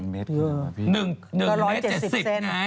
๑๗๐เมตรไง